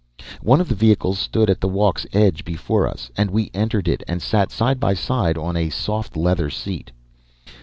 "One of the vehicles stood at the walk's edge before us, and we entered it and sat side by side on a soft leather seat.